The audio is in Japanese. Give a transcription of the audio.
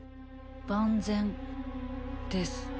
万全です。